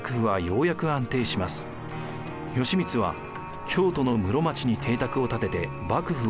義満は京都の室町に邸宅を建てて幕府を移し